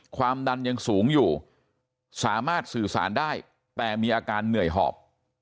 ความดันยังสูงอยู่สามารถสื่อสารได้แต่มีอาการเหนื่อยหอบ